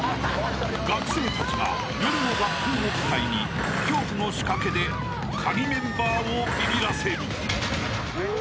［学生たちが夜の学校を舞台に恐怖の仕掛けでカギメンバーをビビらせる］